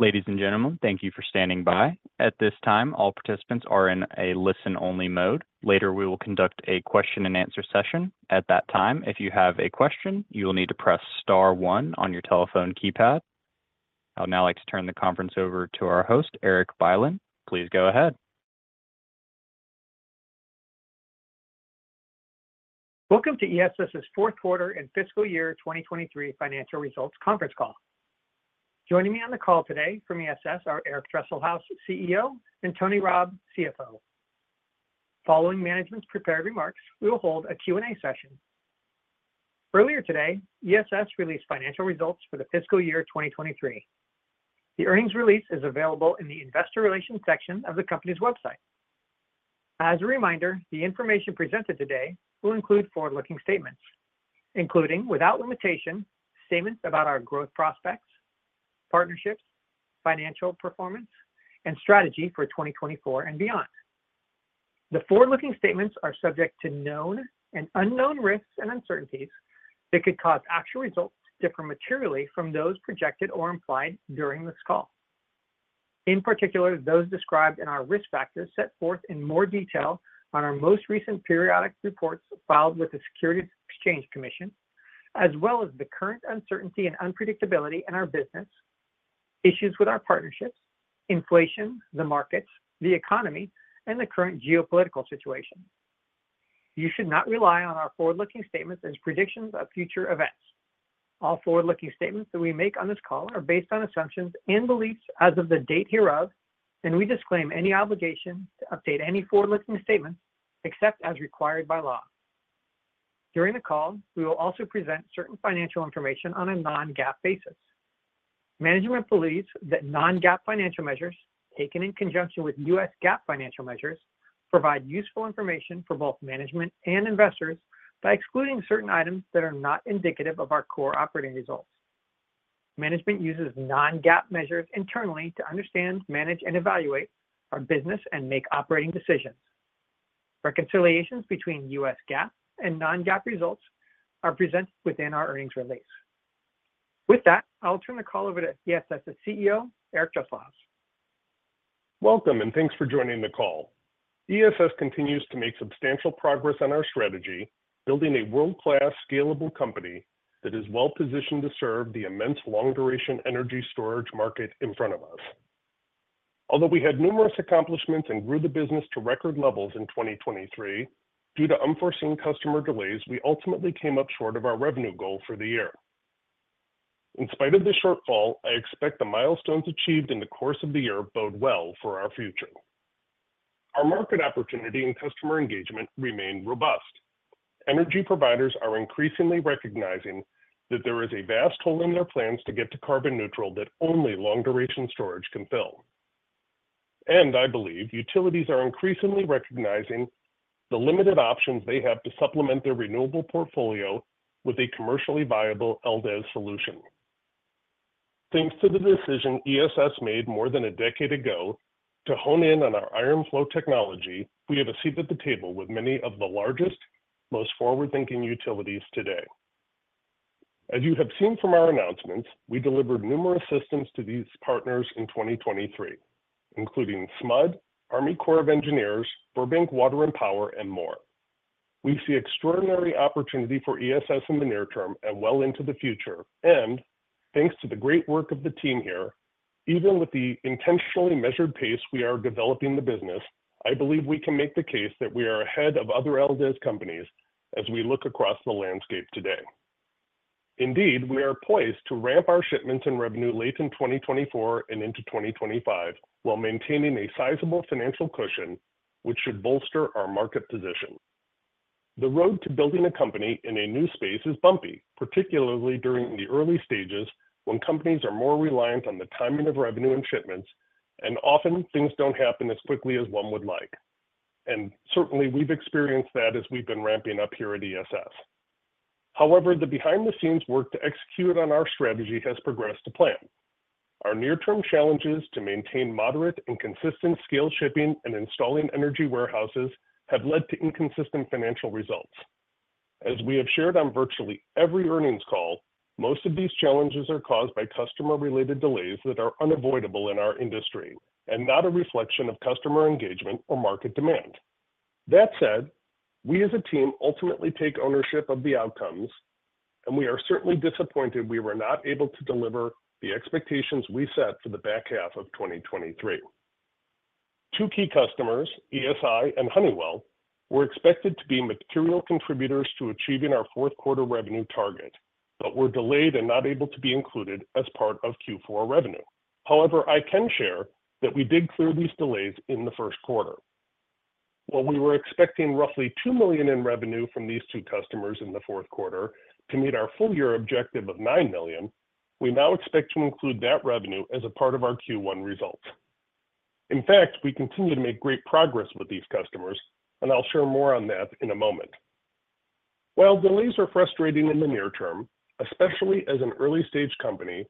Ladies and gentlemen, thank you for standing by. At this time, all participants are in a listen-only mode. Later we will conduct a question-and-answer session. At that time, if you have a question, you will need to press * 1 on your telephone keypad. I'll now like to turn the conference over to our host, Erik Bylin. Please go ahead. Welcome to ESS's fourth quarter and fiscal year 2023 financial results conference call. Joining me on the call today from ESS are Eric Dresselhuys, CEO, and Tony Rabb, CFO. Following management's prepared remarks, we will hold a Q&A session. Earlier today, ESS released financial results for the fiscal year 2023. The earnings release is available in the investor relations section of the company's website. As a reminder, the information presented today will include forward-looking statements, including without limitation statements about our growth prospects, partnerships, financial performance, and strategy for 2024 and beyond. The forward-looking statements are subject to known and unknown risks and uncertainties that could cause actual results to differ materially from those projected or implied during this call. In particular, those described in our risk factors set forth in more detail in our most recent periodic reports filed with the Securities and Exchange Commission, as well as the current uncertainty and unpredictability in our business, issues with our partnerships, inflation, the markets, the economy, and the current geopolitical situation. You should not rely on our forward-looking statements as predictions of future events. All forward-looking statements that we make on this call are based on assumptions and beliefs as of the date hereof, and we disclaim any obligation to update any forward-looking statements except as required by law. During the call, we will also present certain financial information on a non-GAAP basis. Management believes that non-GAAP financial measures taken in conjunction with U.S. GAAP financial measures provide useful information for both management and investors by excluding certain items that are not indicative of our core operating results. Management uses non-GAAP measures internally to understand, manage, and evaluate our business and make operating decisions. Reconciliations between U.S. GAAP and non-GAAP results are presented within our earnings release. With that, I'll turn the call over to ESS's CEO, Eric Dresselhuys. Welcome, and thanks for joining the call. ESS continues to make substantial progress on our strategy, building a world-class, scalable company that is well-positioned to serve the immense long-duration energy storage market in front of us. Although we had numerous accomplishments and grew the business to record levels in 2023, due to unforeseen customer delays, we ultimately came up short of our revenue goal for the year. In spite of this shortfall, I expect the milestones achieved in the course of the year bode well for our future. Our market opportunity and customer engagement remain robust. Energy providers are increasingly recognizing that there is a vast hole in their plans to get to carbon neutral that only long-duration storage can fill. I believe utilities are increasingly recognizing the limited options they have to supplement their renewable portfolio with a commercially viable LDES solution. Thanks to the decision ESS made more than a decade ago to hone in on our iron flow technology, we have a seat at the table with many of the largest, most forward-thinking utilities today. As you have seen from our announcements, we delivered numerous systems to these partners in 2023, including SMUD, Army Corps of Engineers, Burbank Water and Power, and more. We see extraordinary opportunity for ESS in the near term and well into the future. Thanks to the great work of the team here, even with the intentionally measured pace we are developing the business, I believe we can make the case that we are ahead of other LDES companies as we look across the landscape today. Indeed, we are poised to ramp our shipments and revenue late in 2024 and into 2025 while maintaining a sizable financial cushion, which should bolster our market position. The road to building a company in a new space is bumpy, particularly during the early stages when companies are more reliant on the timing of revenue and shipments, and often things don't happen as quickly as one would like. And certainly, we've experienced that as we've been ramping up here at ESS. However, the behind-the-scenes work to execute on our strategy has progressed to plan. Our near-term challenges to maintain moderate and consistent scale shipping and installing Energy Warehouses have led to inconsistent financial results. As we have shared on virtually every earnings call, most of these challenges are caused by customer-related delays that are unavoidable in our industry and not a reflection of customer engagement or market demand. That said, we as a team ultimately take ownership of the outcomes, and we are certainly disappointed we were not able to deliver the expectations we set for the back half of 2023. Two key customers, ESI and Honeywell, were expected to be material contributors to achieving our fourth quarter revenue target, but were delayed and not able to be included as part of Q4 revenue. However, I can share that we did clear these delays in the first quarter. While we were expecting roughly $2 million in revenue from these two customers in the fourth quarter to meet our full-year objective of $9 million, we now expect to include that revenue as a part of our Q1 results. In fact, we continue to make great progress with these customers, and I'll share more on that in a moment. While delays are frustrating in the near term, especially as an early-stage company,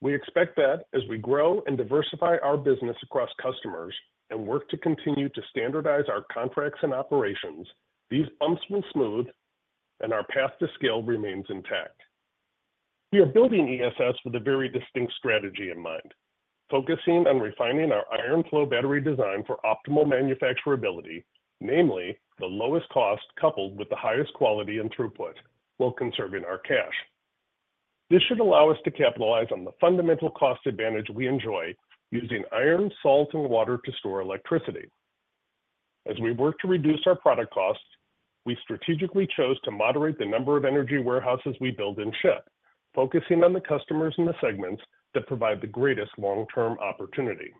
we expect that as we grow and diversify our business across customers and work to continue to standardize our contracts and operations, these bumps will smooth, and our path to scale remains intact. We are building ESS with a very distinct strategy in mind, focusing on refining our iron flow battery design for optimal manufacturability, namely the lowest cost coupled with the highest quality and throughput while conserving our cash. This should allow us to capitalize on the fundamental cost advantage we enjoy using iron, salt, and water to store electricity. As we work to reduce our product costs, we strategically chose to moderate the number of Energy Warehouses we build and ship, focusing on the customers and the segments that provide the greatest long-term opportunity.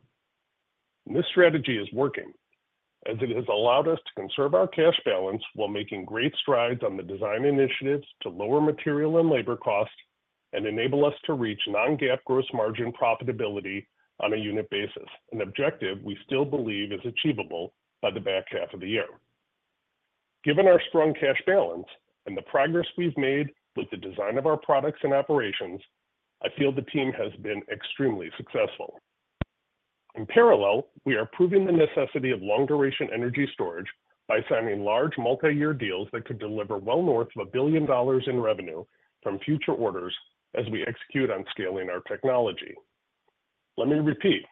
This strategy is working as it has allowed us to conserve our cash balance while making great strides on the design initiatives to lower material and labor costs and enable us to reach non-GAAP gross margin profitability on a unit basis, an objective we still believe is achievable by the back half of the year. Given our strong cash balance and the progress we've made with the design of our products and operations, I feel the team has been extremely successful. In parallel, we are proving the necessity of long-duration energy storage by signing large multi-year deals that could deliver well north of $1 billion in revenue from future orders as we execute on scaling our technology. Let me repeat: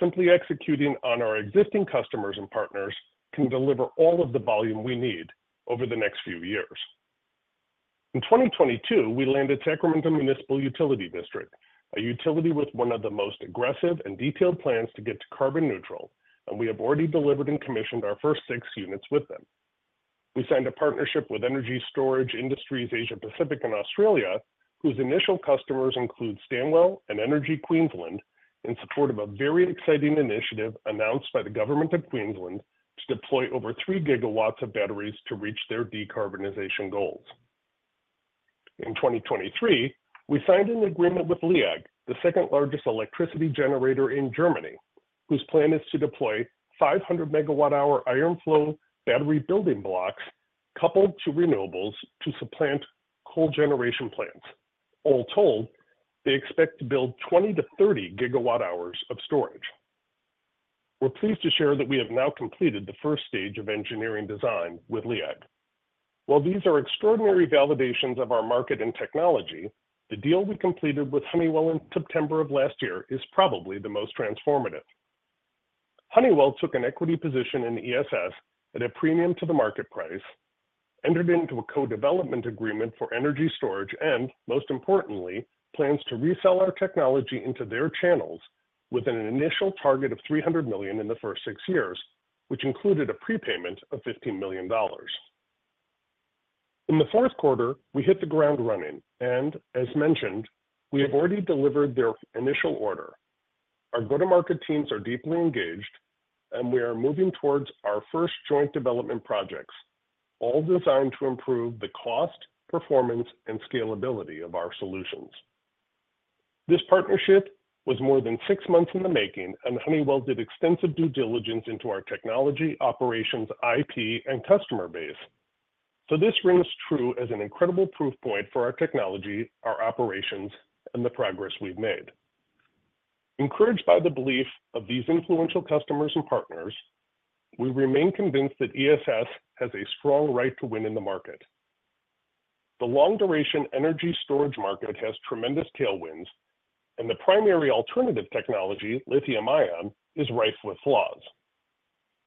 simply executing on our existing customers and partners can deliver all of the volume we need over the next few years. In 2022, we landed Sacramento Municipal Utility District, a utility with one of the most aggressive and detailed plans to get to carbon neutral, and we have already delivered and commissioned our first six units with them. We signed a partnership with Energy Storage Industries Asia-Pacific in Australia, whose initial customers include Stanwell and Energy Queensland, in support of a very exciting initiative announced by the Government of Queensland to deploy over 3 gigawatts of batteries to reach their decarbonization goals. In 2023, we signed an agreement with LEAG, the second-largest electricity generator in Germany, whose plan is to deploy 500 megawatt-hour iron flow battery building blocks coupled to renewables to supplant coal generation plants. All told, they expect to build 20-30 gigawatt-hours of storage. We're pleased to share that we have now completed the first stage of engineering design with LEAG. While these are extraordinary validations of our market and technology, the deal we completed with Honeywell in September of last year is probably the most transformative. Honeywell took an equity position in ESS at a premium to the market price, entered into a co-development agreement for energy storage, and most importantly, plans to resell our technology into their channels with an initial target of $300 million in the first six years, which included a prepayment of $15 million. In the fourth quarter, we hit the ground running, and as mentioned, we have already delivered their initial order. Our go-to-market teams are deeply engaged, and we are moving towards our first joint development projects, all designed to improve the cost, performance, and scalability of our solutions. This partnership was more than six months in the making, and Honeywell did extensive due diligence into our technology, operations, IP, and customer base. So this rings true as an incredible proof point for our technology, our operations, and the progress we've made. Encouraged by the belief of these influential customers and partners, we remain convinced that ESS has a strong right to win in the market. The long-duration energy storage market has tremendous tailwinds, and the primary alternative technology, lithium-ion, is rife with flaws.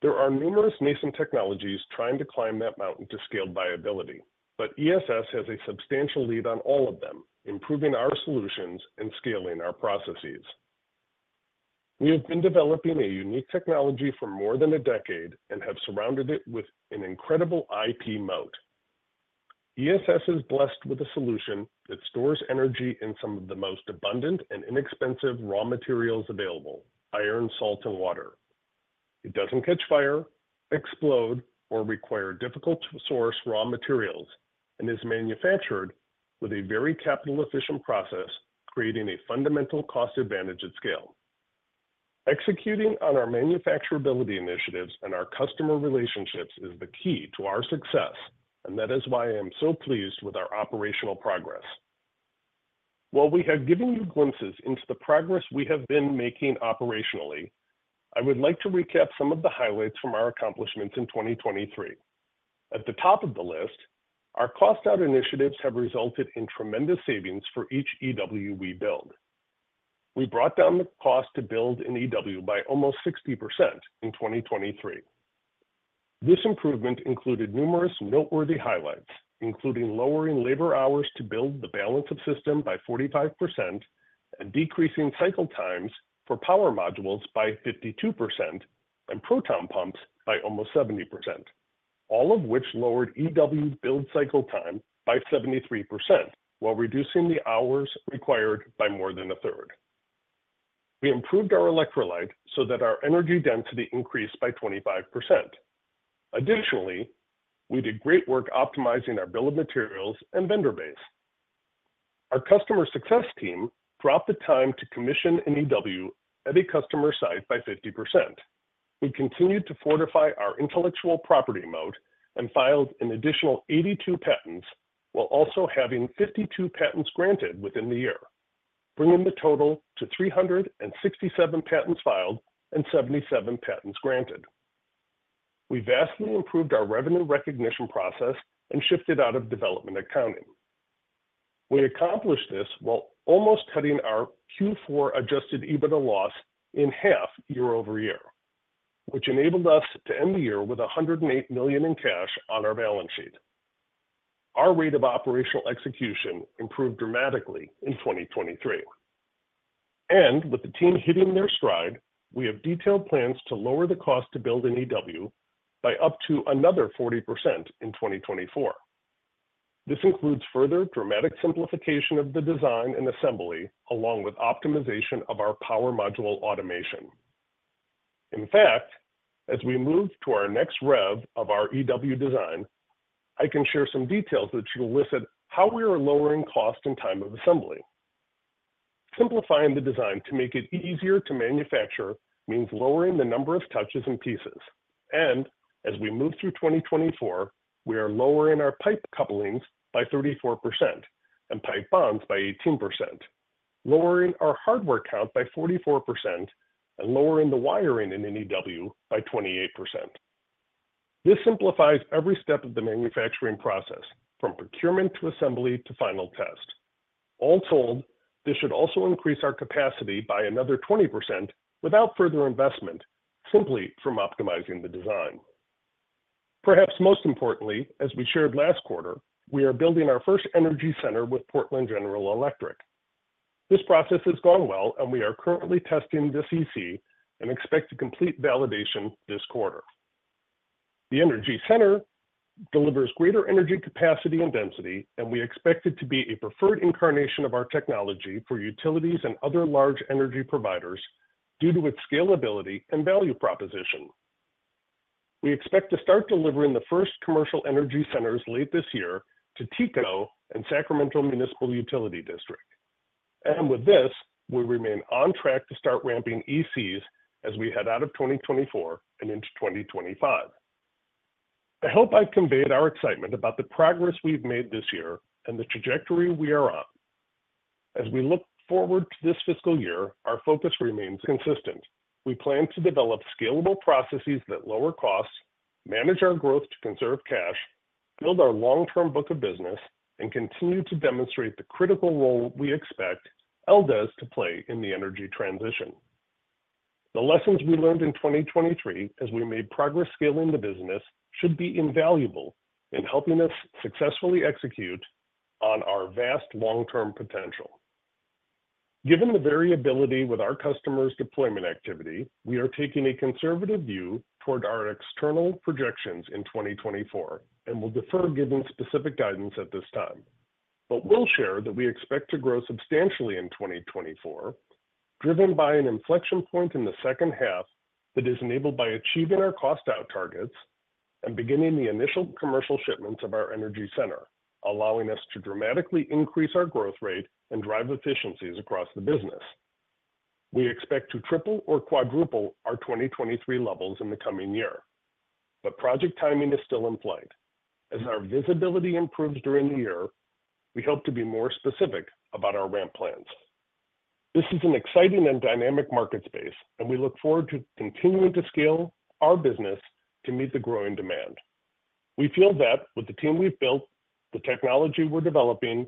There are numerous nascent technologies trying to climb that mountain to scale viability, but ESS has a substantial lead on all of them, improving our solutions and scaling our processes. We have been developing a unique technology for more than a decade and have surrounded it with an incredible IP moat. ESS is blessed with a solution that stores energy in some of the most abundant and inexpensive raw materials available: iron, salt, and water. It doesn't catch fire, explode, or require difficult-to-source raw materials and is manufactured with a very capital-efficient process, creating a fundamental cost advantage at scale. Executing on our manufacturability initiatives and our customer relationships is the key to our success, and that is why I am so pleased with our operational progress. While we have given you glimpses into the progress we have been making operationally, I would like to recap some of the highlights from our accomplishments in 2023. At the top of the list, our cost-out initiatives have resulted in tremendous savings for each EW we build. We brought down the cost to build an EW by almost 60% in 2023. This improvement included numerous noteworthy highlights, including lowering labor hours to build the balance of system by 45% and decreasing cycle times for power modules by 52% and proton pumps by almost 70%, all of which lowered EW build cycle time by 73% while reducing the hours required by more than a third. We improved our electrolyte so that our energy density increased by 25%. Additionally, we did great work optimizing our bill of materials and vendor base. Our customer success team dropped the time to commission an EW at a customer site by 50%. We continued to fortify our intellectual property moat and filed an additional 82 patents while also having 52 patents granted within the year, bringing the total to 367 patents filed and 77 patents granted. We vastly improved our revenue recognition process and shifted out of development accounting. We accomplished this while almost cutting our Q4 adjusted EBITDA loss in half year-over-year, which enabled us to end the year with $108 million in cash on our balance sheet. Our rate of operational execution improved dramatically in 2023. With the team hitting their stride, we have detailed plans to lower the cost to build an EW by up to another 40% in 2024. This includes further dramatic simplification of the design and assembly, along with optimization of our power module automation. In fact, as we move to our next rev of our EW design, I can share some details that should illustrate how we are lowering cost and time of assembly. Simplifying the design to make it easier to manufacture means lowering the number of touches and pieces. As we move through 2024, we are lowering our pipe couplings by 34% and pipe bends by 18%, lowering our hardware count by 44%, and lowering the wiring in an EW by 28%. This simplifies every step of the manufacturing process, from procurement to assembly to final test. All told, this should also increase our capacity by another 20% without further investment, simply from optimizing the design. Perhaps most importantly, as we shared last quarter, we are building our first Energy Center with Portland General Electric. This process has gone well, and we are currently testing the EC and expect to complete validation this quarter. The Energy Center delivers greater energy capacity and density, and we expect it to be a preferred incarnation of our technology for utilities and other large energy providers due to its scalability and value proposition. We expect to start delivering the first commercial Energy Centers late this year to TECO and Sacramento Municipal Utility District. And with this, we remain on track to start ramping ECs as we head out of 2024 and into 2025. I hope I've conveyed our excitement about the progress we've made this year and the trajectory we are on. As we look forward to this fiscal year, our focus remains consistent. We plan to develop scalable processes that lower costs, manage our growth to conserve cash, build our long-term book of business, and continue to demonstrate the critical role we expect LDES to play in the energy transition. The lessons we learned in 2023 as we made progress scaling the business should be invaluable in helping us successfully execute on our vast long-term potential. Given the variability with our customers' deployment activity, we are taking a conservative view toward our external projections in 2024 and will defer giving specific guidance at this time. But we'll share that we expect to grow substantially in 2024, driven by an inflection point in the second half that is enabled by achieving our cost-out targets and beginning the initial commercial shipments of our Energy center, allowing us to dramatically increase our growth rate and drive efficiencies across the business. We expect to triple or quadruple our 2023 levels in the coming year. But project timing is still in flight. As our visibility improves during the year, we hope to be more specific about our ramp plans. This is an exciting and dynamic market space, and we look forward to continuing to scale our business to meet the growing demand. We feel that with the team we've built, the technology we're developing,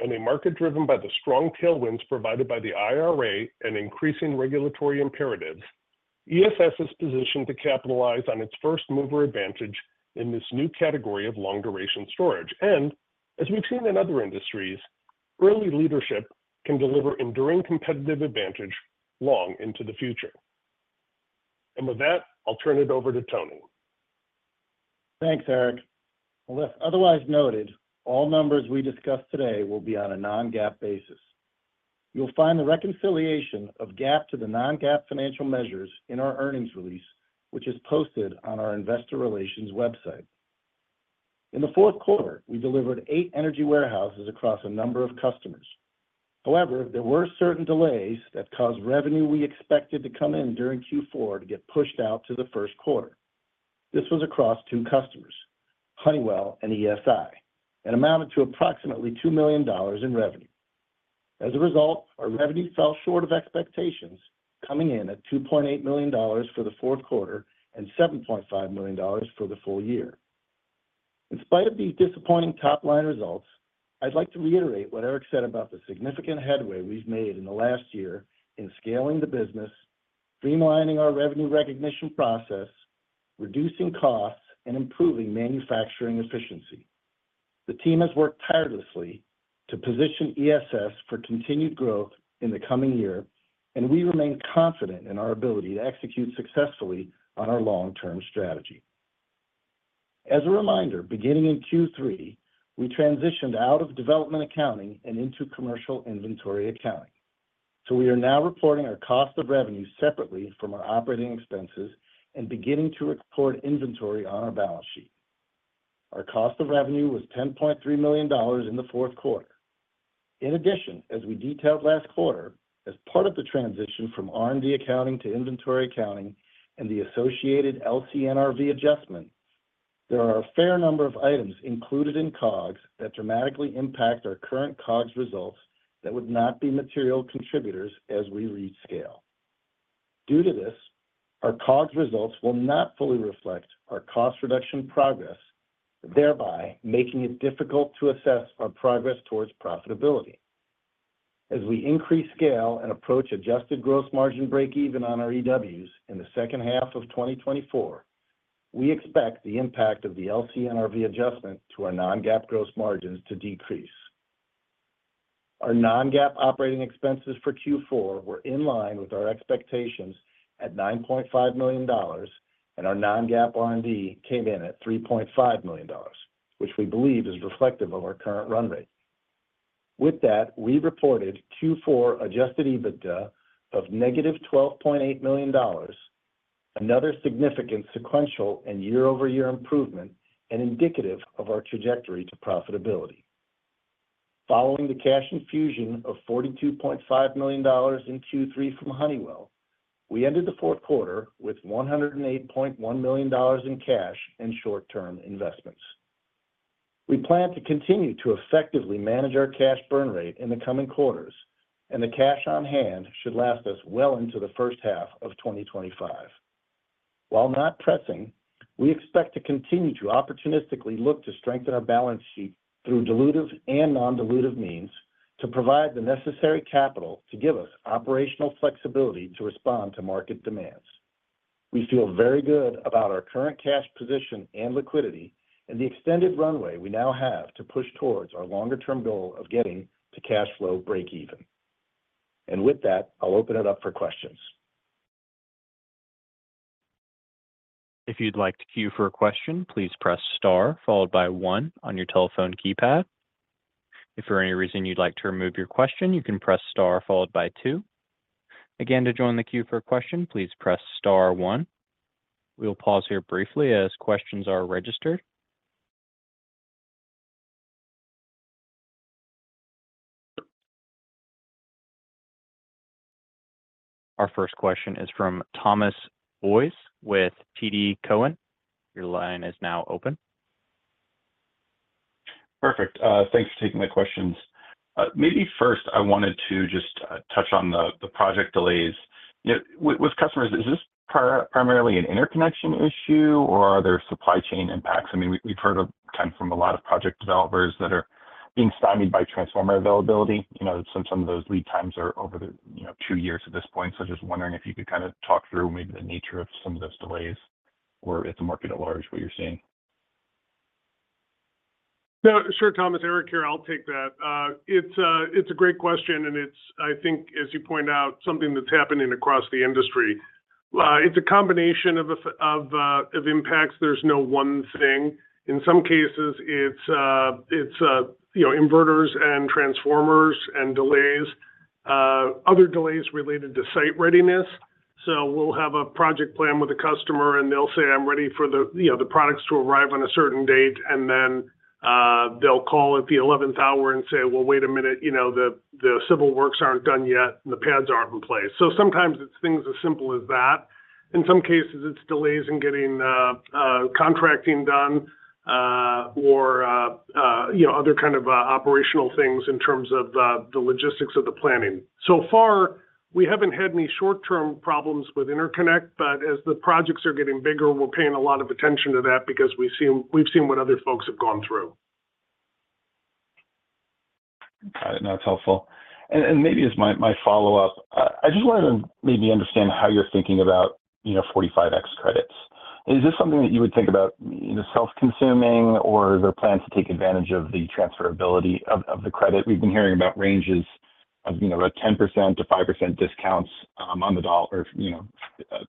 and a market driven by the strong tailwinds provided by the IRA and increasing regulatory imperatives, ESS is positioned to capitalize on its first mover advantage in this new category of long-duration storage. As we've seen in other industries, early leadership can deliver enduring competitive advantage long into the future. With that, I'll turn it over to Tony. Thanks, Eric. Well, if otherwise noted, all numbers we discussed today will be on a non-GAAP basis. You'll find the reconciliation of GAAP to the non-GAAP financial measures in our earnings release, which is posted on our investor relations website. In the fourth quarter, we delivered 8 Energy Warehouses across a number of customers. However, there were certain delays that caused revenue we expected to come in during Q4 to get pushed out to the first quarter. This was across two customers, Honeywell and ESI, and amounted to approximately $2 million in revenue. As a result, our revenue fell short of expectations, coming in at $2.8 million for the fourth quarter and $7.5 million for the full year. In spite of these disappointing top-line results, I'd like to reiterate what Eric said about the significant headway we've made in the last year in scaling the business, streamlining our revenue recognition process, reducing costs, and improving manufacturing efficiency. The team has worked tirelessly to position ESS for continued growth in the coming year, and we remain confident in our ability to execute successfully on our long-term strategy. As a reminder, beginning in Q3, we transitioned out of development accounting and into commercial inventory accounting. So we are now reporting our cost of revenue separately from our operating expenses and beginning to record inventory on our balance sheet. Our cost of revenue was $10.3 million in the fourth quarter. In addition, as we detailed last quarter, as part of the transition from R&D accounting to inventory accounting and the associated LCNRV adjustment, there are a fair number of items included in COGS that dramatically impact our current COGS results that would not be material contributors as we reach scale. Due to this, our COGS results will not fully reflect our cost reduction progress, thereby making it difficult to assess our progress towards profitability. As we increase scale and approach adjusted gross margin break-even on our EWs in the second half of 2024, we expect the impact of the LCNRV adjustment to our non-GAAP gross margins to decrease. Our Non-GAAP operating expenses for Q4 were in line with our expectations at $9.5 million, and our Non-GAAP R&D came in at $3.5 million, which we believe is reflective of our current run rate. With that, we reported Q4 Adjusted EBITDA of negative $12.8 million, another significant sequential and year-over-year improvement and indicative of our trajectory to profitability. Following the cash infusion of $42.5 million in Q3 from Honeywell, we ended the fourth quarter with $108.1 million in cash and short-term investments. We plan to continue to effectively manage our cash burn rate in the coming quarters, and the cash on hand should last us well into the first half of 2025. While not pressing, we expect to continue to opportunistically look to strengthen our balance sheet through dilutive and non-dilutive means to provide the necessary capital to give us operational flexibility to respond to market demands. We feel very good about our current cash position and liquidity and the extended runway we now have to push towards our longer-term goal of getting to cash flow break-even. And with that, I'll open it up for questions. If you'd like to queue for a question, please press star followed by 1 on your telephone keypad. If for any reason you'd like to remove your question, you can press star followed by 2. Again, to join the queue for a question, please press star 1. We'll pause here briefly as questions are registered. Our first question is from Thomas Boyes with TD Cowen. Your line is now open. Perfect. Thanks for taking my questions. Maybe first, I wanted to just touch on the project delays. With customers, is this primarily an interconnection issue, or are there supply chain impacts? I mean, we've heard kind of from a lot of project developers that are being stymied by transformer availability. Some of those lead times are over two years at this point. So just wondering if you could kind of talk through maybe the nature of some of those delays or, if the market at large, what you're seeing. No, sure, Thomas. Eric, here, I'll take that. It's a great question, and it's, I think, as you point out, something that's happening across the industry. It's a combination of impacts. There's no one thing. In some cases, it's inverters and transformers and delays, other delays related to site readiness. So we'll have a project plan with a customer, and they'll say, "I'm ready for the products to arrive on a certain date," and then they'll call at the 11th hour and say, "Well, wait a minute. The civil works aren't done yet, and the pads aren't in place." So sometimes it's things as simple as that. In some cases, it's delays in getting contracting done or other kind of operational things in terms of the logistics of the planning. So far, we haven't had any short-term problems with interconnect, but as the projects are getting bigger, we're paying a lot of attention to that because we've seen what other folks have gone through. Got it. No, it's helpful. And maybe as my follow-up, I just wanted to maybe understand how you're thinking about 45X credits. Is this something that you would think about self-consuming, or is there plans to take advantage of the transferability of the credit? We've been hearing about ranges of a 10%-5% discounts on the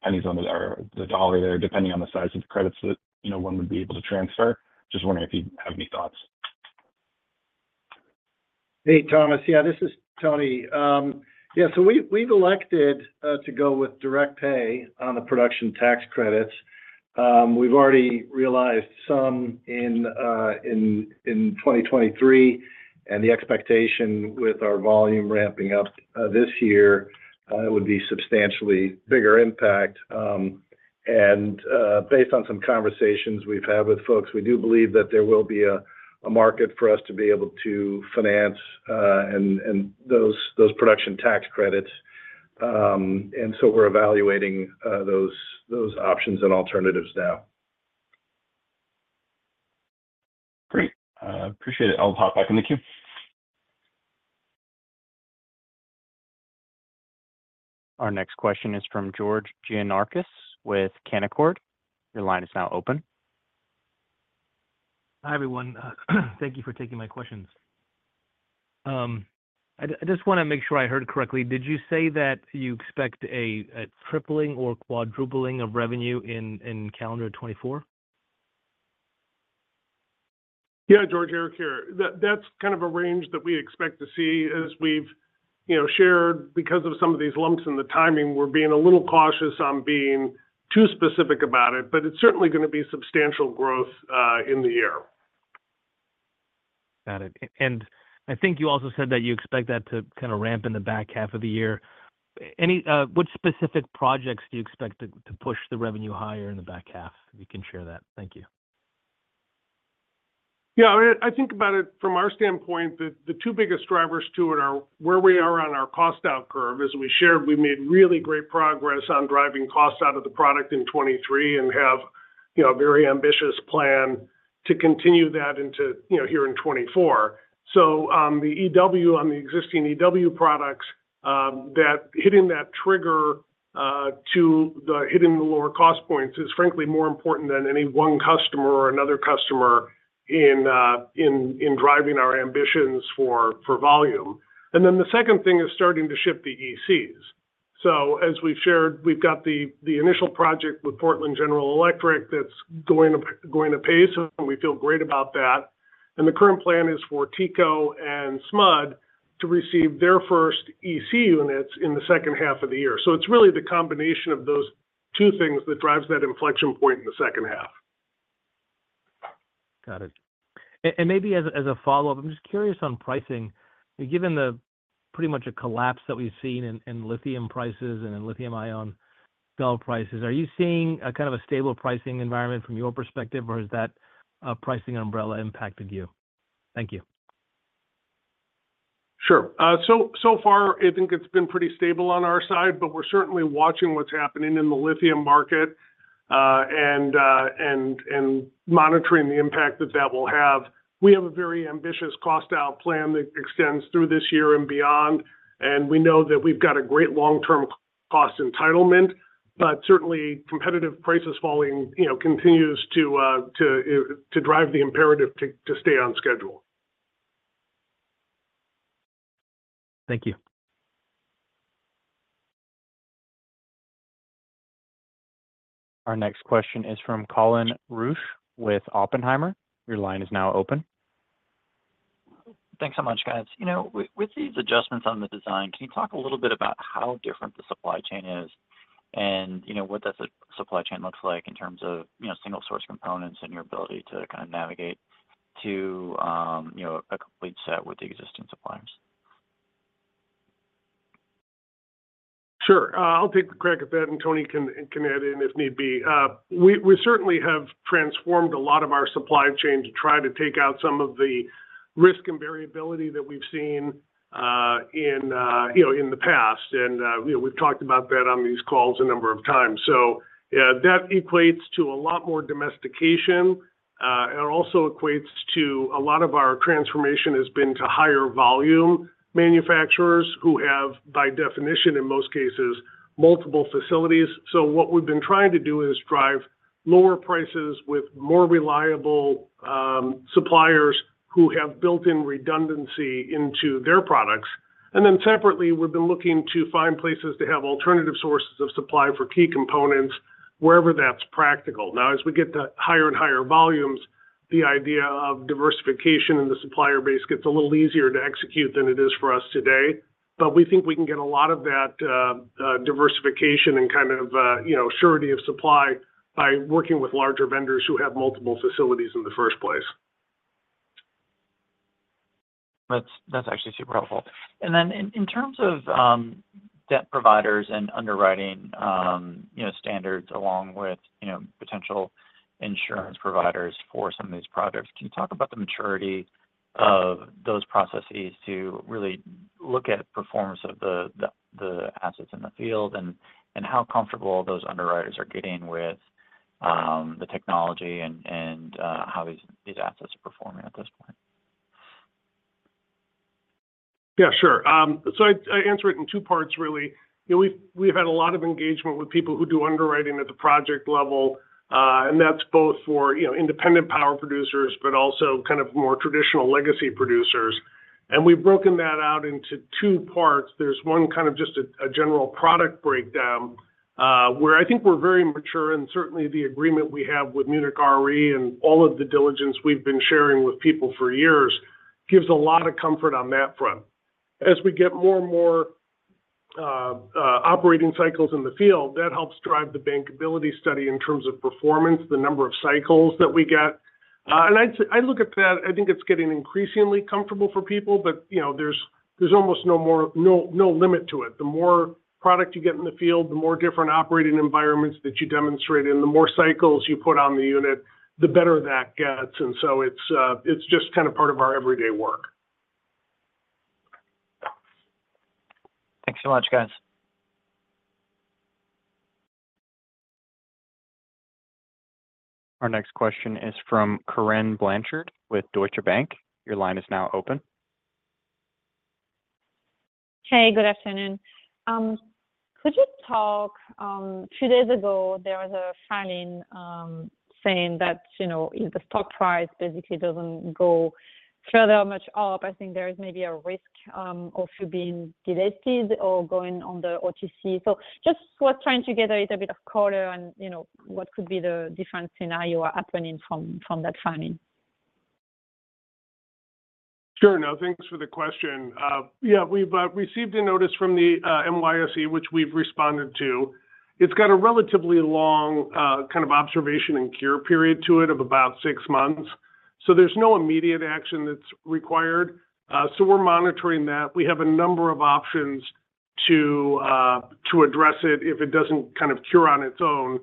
pennies on the dollar there, depending on the size of the credits that one would be able to transfer. Just wondering if you have any thoughts. Hey, Thomas. Yeah, this is Tony. Yeah, so we've elected to go with direct pay on the production tax credits. We've already realized some in 2023, and the expectation with our volume ramping up this year, it would be a substantially bigger impact. And based on some conversations we've had with folks, we do believe that there will be a market for us to be able to finance those production tax credits. And so we're evaluating those options and alternatives now. Great. Appreciate it. I'll be hoppinh back in the queue. Our next question is from George Gianarikas with Canaccord. Your line is now open. Hi, everyone. Thank you for taking my questions. I just want to make sure I heard correctly. Did you say that you expect a tripling or quadrupling of revenue in calendar 2024? Yeah, George, Eric, here. That's kind of a range that we expect to see. As we've shared, because of some of these lumps in the timing, we're being a little cautious on being too specific about it, but it's certainly going to be substantial growth in the year. Got it. And I think you also said that you expect that to kind of ramp in the back half of the year. Which specific projects do you expect to push the revenue higher in the back half? If you can share that. Thank you. Yeah, I mean, I think about it from our standpoint, the two biggest drivers to it are where we are on our cost-out curve. As we shared, we made really great progress on driving cost out of the product in 2023 and have a very ambitious plan to continue that here in 2024. So on the existing EW products, hitting that trigger to hitting the lower cost points is, frankly, more important than any one customer or another customer in driving our ambitions for volume. And then the second thing is starting to shift the ECs. So as we've shared, we've got the initial project with Portland General Electric that's going to pace, and we feel great about that. And the current plan is for TECO and SMUD to receive their first EC units in the second half of the year. So it's really the combination of those two things that drives that inflection point in the second half. Got it. And maybe as a follow-up, I'm just curious on pricing. Given pretty much a collapse that we've seen in lithium prices and in lithium-ion cell prices, are you seeing kind of a stable pricing environment from your perspective, or has that pricing umbrella impacted you? Thank you. Sure. So far, I think it's been pretty stable on our side, but we're certainly watching what's happening in the lithium market and monitoring the impact that that will have. We have a very ambitious cost-out plan that extends through this year and beyond, and we know that we've got a great long-term cost entitlement. But certainly, competitive prices falling continues to drive the imperative to stay on schedule. Thank you. Our next question is from Colin Rusch with Oppenheimer. Your line is now open. Thanks so much, guys. With these adjustments on the design, can you talk a little bit about how different the supply chain is and what that supply chain looks like in terms of single-source components and your ability to kind of navigate to a complete set with the existing suppliers? Sure. I'll take a crack at that, and Tony can add in if need be. We certainly have transformed a lot of our supply chain to try to take out some of the risk and variability that we've seen in the past. And we've talked about that on these calls a number of times. So that equates to a lot more domestication. It also equates to a lot of our transformation has been to higher volume manufacturers who have, by definition, in most cases, multiple facilities. What we've been trying to do is drive lower prices with more reliable suppliers who have built-in redundancy into their products. Then separately, we've been looking to find places to have alternative sources of supply for key components wherever that's practical. Now, as we get to higher and higher volumes, the idea of diversification in the supplier base gets a little easier to execute than it is for us today. But we think we can get a lot of that diversification and kind of surety of supply by working with larger vendors who have multiple facilities in the first place. That's actually super helpful. And then in terms of debt providers and underwriting standards along with potential insurance providers for some of these products, can you talk about the maturity of those processes to really look at performance of the assets in the field and how comfortable those underwriters are getting with the technology and how these assets are performing at this point? Yeah, sure. I answer it in two parts, really. We've had a lot of engagement with people who do underwriting at the project level, and that's both for independent power producers but also kind of more traditional legacy producers. We've broken that out into two parts. There's one kind of just a general product breakdown where I think we're very mature, and certainly, the agreement we have with Munich Re and all of the diligence we've been sharing with people for years gives a lot of comfort on that front. As we get more and more operating cycles in the field, that helps drive the bankability study in terms of performance, the number of cycles that we get. And I look at that. I think it's getting increasingly comfortable for people, but there's almost no limit to it. The more product you get in the field, the more different operating environments that you demonstrate, and the more cycles you put on the unit, the better that gets. And so it's just kind of part of our everyday work. Thanks so much, guys. Our next question is from Corinne Blanchard with Deutsche Bank.Your line is now open. Hey, good afternoon. Could you talk a few days ago, there was a filing saying that if the stock price basically doesn't go further much up, I think there is maybe a risk of you being delisted or going on the OTC. So just was trying to get a little bit of color on what could be the different scenario happening from that filing. Sure. No, thanks for the question. Yeah, we've received a notice from the NYSE, which we've responded to. It's got a relatively long kind of observation and cure period to it of about six months. So there's no immediate action that's required. So we're monitoring that. We have a number of options to address it if it doesn't kind of cure on its own.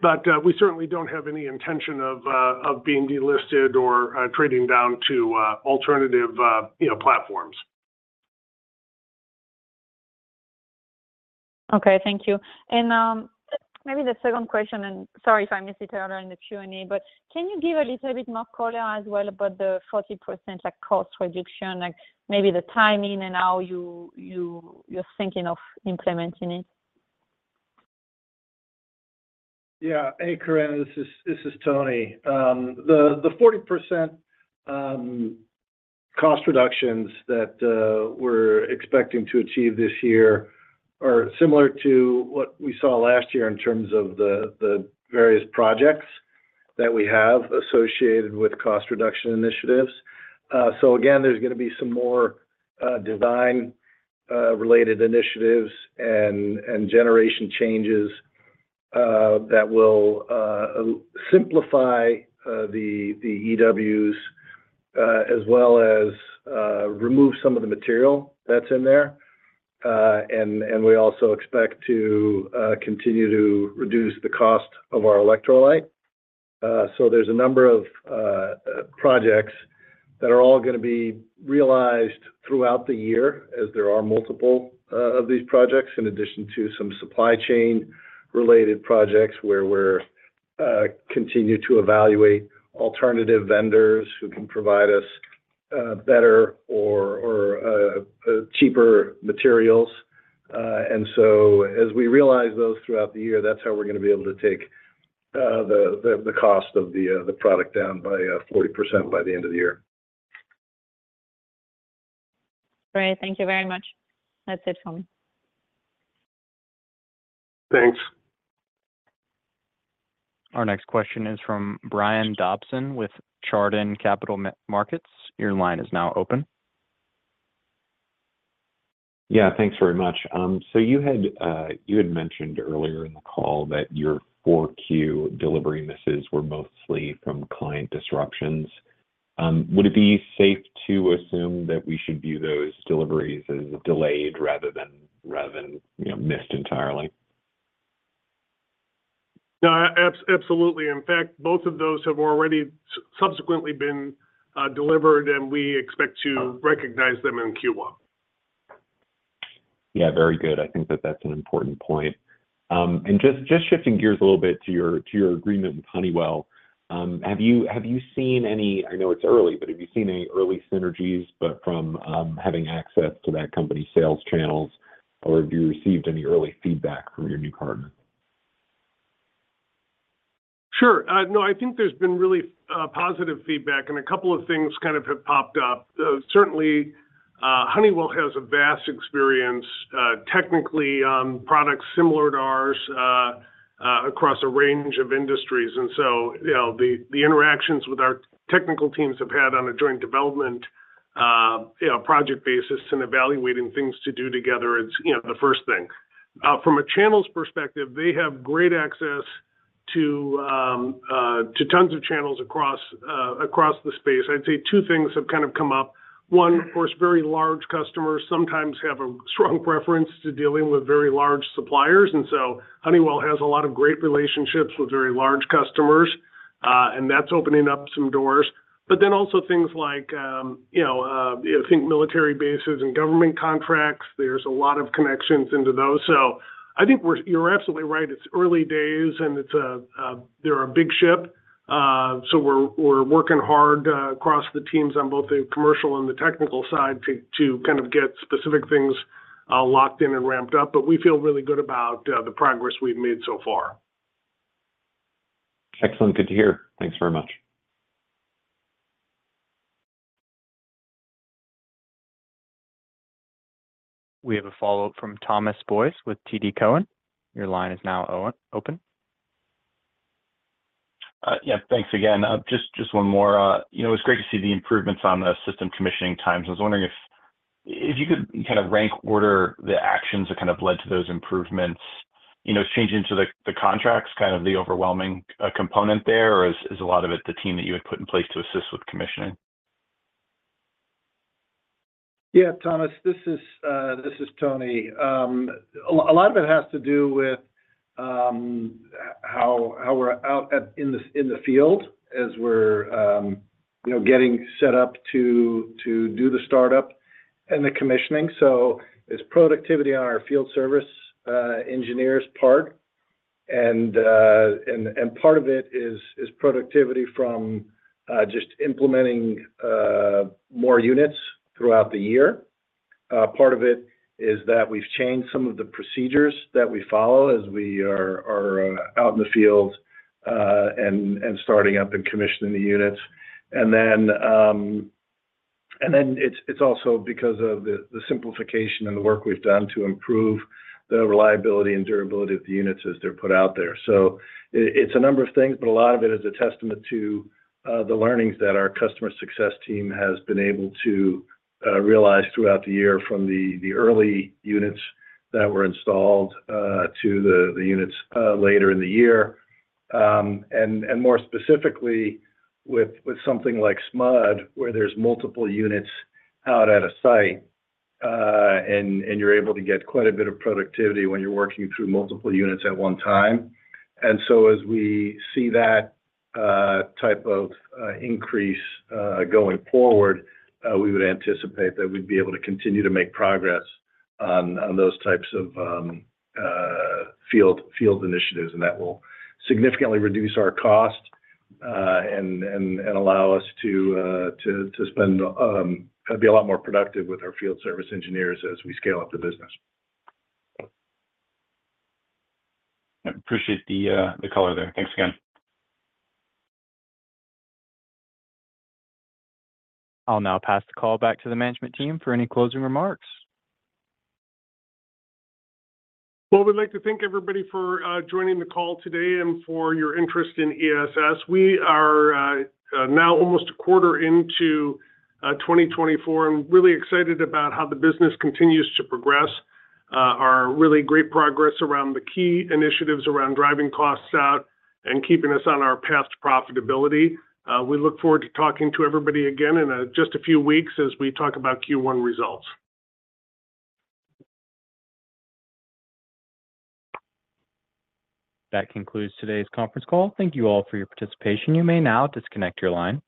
But we certainly don't have any intention of being delisted or trading down to alternative platforms. Okay. Thank you. And maybe the second question, and sorry if I missed it earlier in the Q&A, but can you give a little bit more color as well about the 40% cost reduction, maybe the timing and how you're thinking of implementing it? Yeah. Hey, Corinne. This is Tony. The 40% cost reductions that we're expecting to achieve this year are similar to what we saw last year in terms of the various projects that we have associated with cost reduction initiatives. So again, there's going to be some more design-related initiatives and generation changes that will simplify the EWs as well as remove some of the material that's in there. And we also expect to continue to reduce the cost of our electrolyte. So there's a number of projects that are all going to be realized throughout the year as there are multiple of these projects in addition to some supply chain-related projects where we're continuing to evaluate alternative vendors who can provide us better or cheaper materials. And so as we realize those throughout the year, that's how we're going to be able to take the cost of the product down by 40% by the end of the year. Great. Thank you very much. That's it from me. Thanks. Our next question is from Brian Dobson with Chardan Capital Markets. Your line is now open. Yeah, thanks very much. So you had mentioned earlier in the call that your 4Q delivery misses were mostly from client disruptions. Would it be safe to assume that we should view those deliveries as delayed rather than missed entirely? No, absolutely. In fact, both of those have already subsequently been delivered, and we expect to recognize them in Q1. Yeah, very good. I think that that's an important point. Just shifting gears a little bit to your agreement with Honeywell, have you seen any? I know it's early, but have you seen any early synergies from having access to that company's sales channels, or have you received any early feedback from your new partner? Sure. No, I think there's been really positive feedback, and a couple of things kind of have popped up. Certainly, Honeywell has a vast experience, technically on products similar to ours across a range of industries. So the interactions with our technical teams I've had on a joint development project basis and evaluating things to do together is the first thing. From a channels perspective, they have great access to tons of channels across the space. I'd say two things have kind of come up. One, of course, very large customers sometimes have a strong preference to dealing with very large suppliers. And so Honeywell has a lot of great relationships with very large customers, and that's opening up some doors. But then also things like, I think, military bases and government contracts. There's a lot of connections into those. So I think you're absolutely right. It's early days, and they're a big ship. So we're working hard across the teams on both the commercial and the technical side to kind of get specific things locked in and ramped up. But we feel really good about the progress we've made so far. Excellent. Good to hear. Thanks very much. We have a follow-up from Thomas Boyes with TD Cowen. Your line is now open. Yeah, thanks again. Just one more. It was great to see the improvements on the system commissioning times. I was wondering if you could kind of rank order the actions that kind of led to those improvements. Is changing to the contracts kind of the overwhelming component there, or is a lot of it the team that you had put in place to assist with commissioning? Yeah, Thomas. This is Tony. A lot of it has to do with how we're out in the field as we're getting set up to do the startup and the commissioning. So it's productivity on our field service engineers' part, and part of it is productivity from just implementing more units throughout the year. Part of it is that we've changed some of the procedures that we follow as we are out in the field and starting up and commissioning the units. And then it's also because of the simplification and the work we've done to improve the reliability and durability of the units as they're put out there. So it's a number of things, but a lot of it is a testament to the learnings that our customer success team has been able to realize throughout the year from the early units that were installed to the units later in the year. And more specifically, with something like SMUD, where there's multiple units out at a site, and you're able to get quite a bit of productivity when you're working through multiple units at one time. And so as we see that type of increase going forward, we would anticipate that we'd be able to continue to make progress on those types of field initiatives. And that will significantly reduce our cost and allow us to spend be a lot more productive with our field service engineers as we scale up the business. I appreciate the color there. Thanks again. I'll now pass the call back to the management team for any closing remarks. Well, we'd like to thank everybody for joining the call today and for your interest in ESS. We are now almost a quarter into 2024 and really excited about how the business continues to progress, our really great progress around the key initiatives around driving costs out and keeping us on our path to profitability. We look forward to talking to everybody again in just a few weeks as we talk about Q1 results. That concludes today's conference call. Thank you all for your participation. You may now disconnect your line.